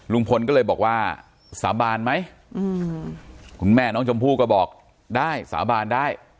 ลุงพลก็เลยบอกว่าสาบานไหมคุณแม่น้องชมพู่ก็บอกได้สาบานได้